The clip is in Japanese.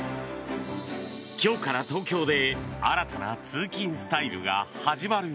今日から東京で新たな通勤スタイルが始まる。